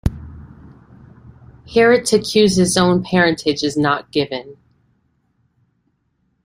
Hyrtacus's own parentage is not given.